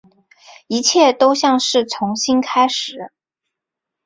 一切都像是重新开始